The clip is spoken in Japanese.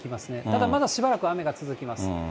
ただまだしばらく雨が続きます。